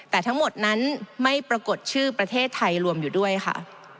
แต่ทั้งหมดนั้นไม่ปรากฏชื่อประเทศไทยรวมอยู่ด้วยค่ะ